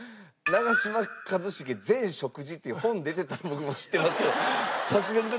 「長嶋一茂全食事」っていう本出てたら僕も知ってますけどさすがに。